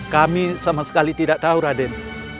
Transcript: kami sama sekali tidak tahu raden